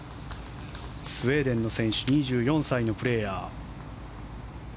スウェーデンの選手２４歳のプレーヤー。